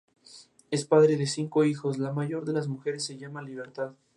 En su curso inferior es navegable por embarcaciones menores.